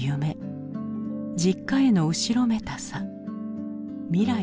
実家への後ろめたさ未来への絶望。